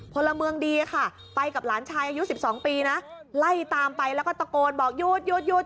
พลเมืองดีค่ะไปกับหลานชายอายุ๑๒ปีนะไล่ตามไปแล้วก็ตะโกนบอกหยุดหยุด